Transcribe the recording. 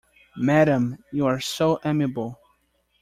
Madame, you are so amiable!